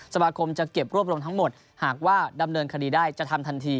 สมาคมจะเก็บรวบรวมทั้งหมดหากว่าดำเนินคดีได้จะทำทันที